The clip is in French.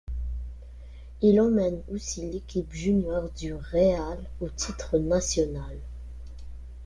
Il emmène aussi l'équipe junior du Real au titre national.